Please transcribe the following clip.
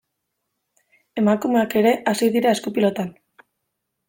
Emakumeak ere hasi dira esku-pilotan.